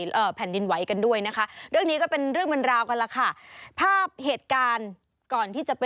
เราจะได้เห็นเราจะได้รู้